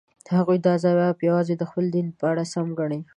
هغوی دا ځواب یوازې د خپل دین په اړه سم ګڼي.